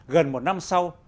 gần một năm sau